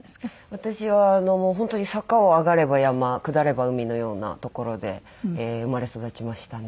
私は本当に坂を上がれば山下れば海のような所で生まれ育ちましたね。